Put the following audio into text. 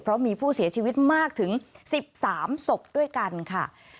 เพราะมีผู้เสียชีวิตมากถึง๑๓ศพด้วยกันค่ะ